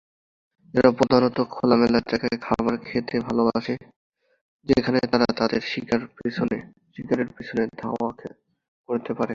এরা প্রধানত খোলামেলা জায়গায় খাবার খেতে ভালোবাসে, যেখানে তারা তাদের শিকারের পিছনে ধাওয়া করতে পারে।